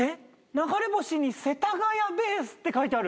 流れ星に「世田谷ベース」って書いてある。